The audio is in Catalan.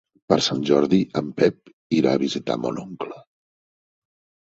Per Sant Jordi en Pep irà a visitar mon oncle.